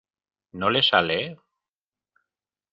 ¿ no le sale?